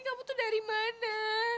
kamu tuh dari mana